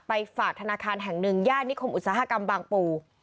ฝากธนาคารแห่งหนึ่งย่านนิคมอุตสาหกรรมบางปู